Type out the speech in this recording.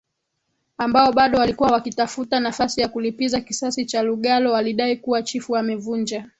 ambao bado walikuwa wakitafuta nafasi ya kulipiza kisasi cha Lugalo walidai kuwa chifu amevunja